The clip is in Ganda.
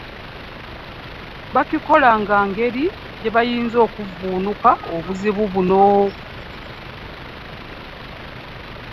Bakikola nga ngeri gye bayinza okuvvuunuka obuzibu buno.